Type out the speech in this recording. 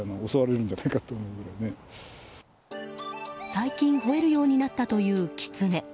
最近ほえるようになったというキツネ。